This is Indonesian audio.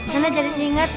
nenek jadi ingat